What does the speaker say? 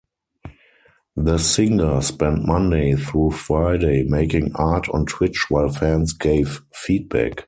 The singer spent Monday through Friday making art on Twitch while fans gave feedback.